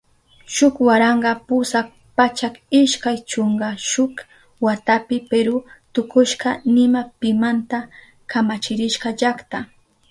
Shuk waranka pusak pachak ishkay chunka shuk watapi Peru tukushka nima pimanta kamachirishka llakta.